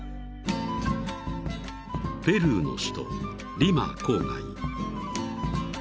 ［ペルーの首都リマ郊外］